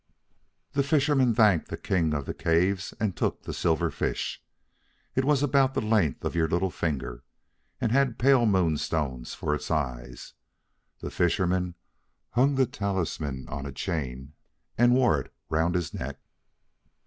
The fisherman thanked the King of the Caves, and took the silver fish. It was about the length of your little finger, and had pale moon stones for eyes. The fisherman hung the talisman on a chain and wore it round his neck.